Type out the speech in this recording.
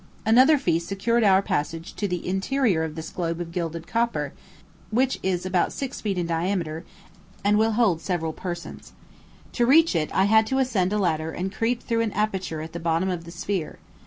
Another fee secured our passage to the interior of this globe of gilded copper, and which is about six feet in diameter, and will hold several persons. To reach it, I had to ascend a ladder and creep through an aperture at the bottom of the sphere.